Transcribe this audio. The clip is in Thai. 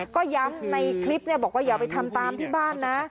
ก็ย้ำในคลิปบอกว่าอย่าไปทำตามที่บ้านนะ